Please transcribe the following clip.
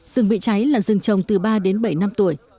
rừng bị cháy là rừng trồng từ ba đến bảy năm tuổi